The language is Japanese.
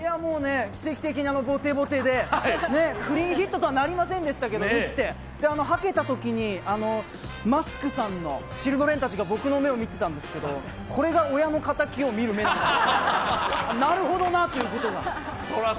奇跡的にボテボテで、クリーンヒットとはならなかったですけれども、はけたときに、マスクさんのチルドレンたちが僕の目を見てたんですけど、これが親の敵を見る目なんだなと、なるほどなということが。